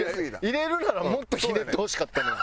入れるならもっとひねってほしかったな。